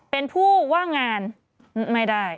เป็นผู้ว่างงานไม่ได้